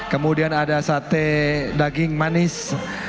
kemudian ada sate daging manis